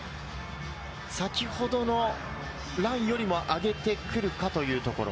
先ほどのランよりも上げてくるかというところ。